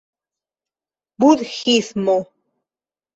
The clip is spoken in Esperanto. budhismo